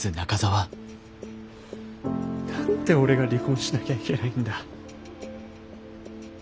何で俺が離婚しなきゃいけないんだ。